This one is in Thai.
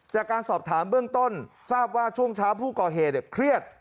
จากการสอบถามเบื้องต้นทราบว่าช่วงเช้าผู้ก่อเหตุเครียด